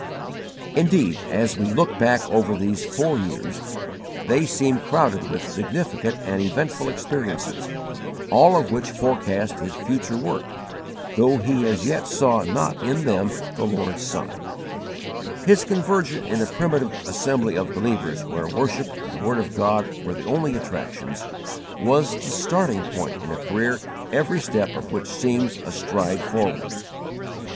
Indeed, as we look back over these four years, they seem crowded with significant and eventful experiences, all of which forecast his future work, though he as yet saw not in them the Lord's sign. His conversion in a primitive assembly of believers where worship and the word of God were the only attractions, was the starting point in a career every step of which seems a stride forward.